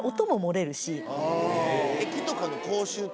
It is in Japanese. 駅とかの。